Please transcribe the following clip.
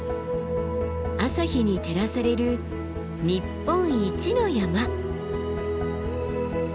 朝日に照らされる日本一の山。